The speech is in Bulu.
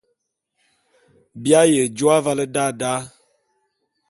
Bi aye jô avale da da.